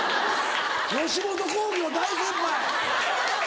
吉本興業大先輩！